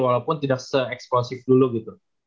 walaupun tidak se eksplosif dulu gitu